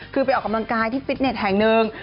คือไปออกกำลังกายที่ฟิตเน็ตแห่งหนึ่ง